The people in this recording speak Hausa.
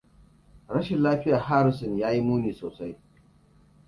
Rashin lafiyar Harrison ya yi muni sosai.